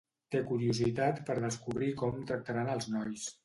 Té curiositat per descobrir com tractaran als nois.